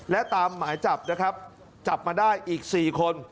และตามหมายจับนะครับจับมาได้อีก๔คน